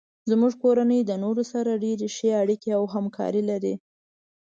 زمونږ کورنۍ د نورو سره ډیرې ښې اړیکې او همکاري لري